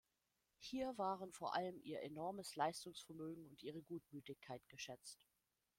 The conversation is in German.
Hier waren vor allem ihr enormes Leistungsvermögen und ihre Gutmütigkeit geschätzt.